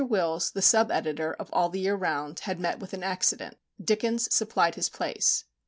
Wills, the sub editor of All the Year Round, had met with an accident. Dickens supplied his place.